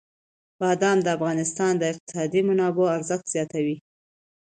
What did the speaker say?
بادام د افغانستان د اقتصادي منابعو ارزښت زیاتوي.